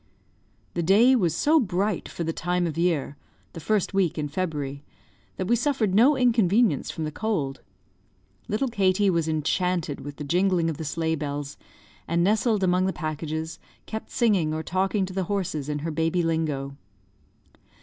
The day was so bright for the time of year (the first week in February), that we suffered no inconvenience from the cold. Little Katie was enchanted with the jingling of the sleigh bells, and, nestled among the packages, kept singing or talking to the horses in her baby lingo.